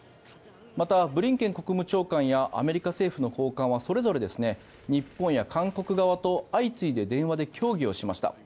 またブリンケン国務長官やアメリカ政府の高官はそれぞれ日本や韓国側と相次いで電話で協議をしました。